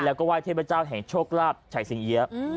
แล้วก็ไหว้เทพเจ้าแห่งโชคราบไฉสิงเยียบ